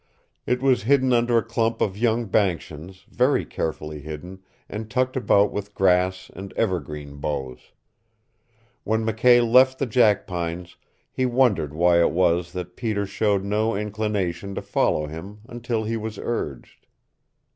It was hidden under a clump of young banksians, very carefully hidden, and tucked about with grass and evergreen boughs. When McKay left the jackpines he wondered why it was that Peter showed no inclination to follow him until he was urged.